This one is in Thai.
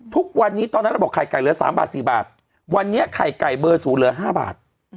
ทุกวันนี้ตอนนั้นเราบอกไข่ไก่เหลือ๓บาท๔บาทวันนี้ไข่ไก่เบอร์๐เหลือ๕บาท